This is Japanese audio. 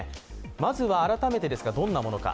まずは改めてどんなものか。